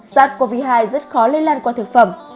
sars cov hai rất khó lây lan qua thực phẩm